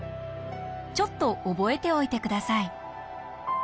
ちょっと覚えておいて下さい。